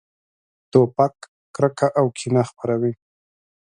توپک کرکه او کینه خپروي.